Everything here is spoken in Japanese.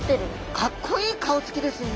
かっこいい顔つきですよね。